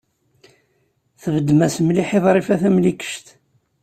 Tbeddem-as mliḥ i Ḍrifa Tamlikect.